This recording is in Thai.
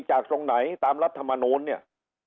ตรงไหนตามรัฐมนูลเนี่ย